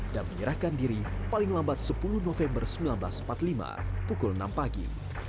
dan menyerahkan diri paling lambat sepuluh november seribu sembilan ratus empat puluh lima pukul enam pagi